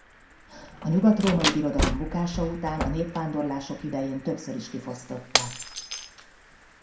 A Nyugatrómai Birodalom bukása után a népvándorlások idején többször is kifosztották.